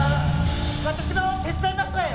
私も手伝いますわよ。